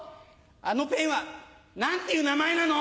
あのペンは何ていう名前なの？